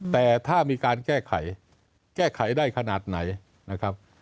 แต่ถ้ามีการแก้ไขแก้ไขได้ขนาดไหนนะครับ